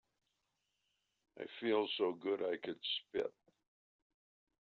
I feel so good I could spit.